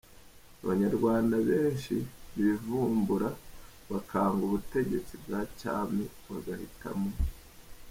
abanyarwanda benshi bivumbura bakanga ubutegetsi bwa cyami bagahitamo